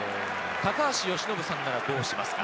高橋由伸さんならどうしますか？